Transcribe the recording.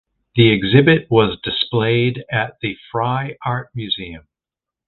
The exhibit was displayed at the Frye Art Museum.